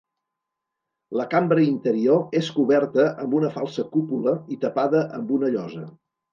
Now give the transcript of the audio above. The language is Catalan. La cambra interior és coberta amb una falsa cúpula i tapada amb una llosa.